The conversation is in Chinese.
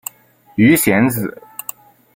鱼显子